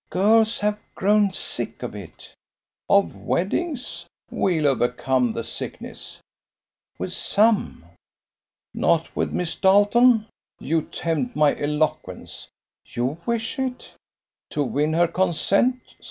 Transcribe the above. "Girls have grown sick of it." "Of weddings? We'll overcome the sickness." "With some." "Not with Miss Darleton? You tempt my eloquence." "You wish it?" "To win her consent?